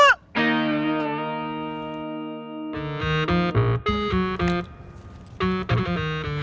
ndra nanti aku nunggu